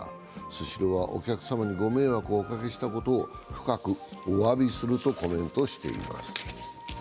スシローはお客様にご迷惑をおかけしたことを深くおわびするとコメントしています。